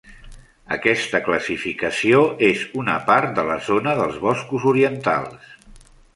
Aquesta classificació és una part de la zona dels Boscos orientals.